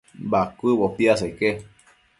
Bacuëbo piaseque